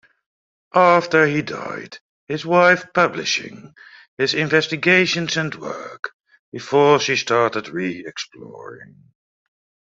After he died his wife publishing his investigations and work, before she started re-exploring.